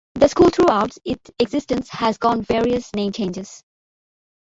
The school throughout its existence has gone various name changes.